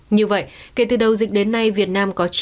như vậy kể từ đầu dịch đến nay việt nam có chín tám trăm một mươi tám